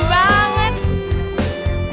lda kok ada di indol nong hidup